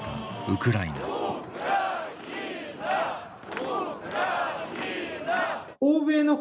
ウクライナより。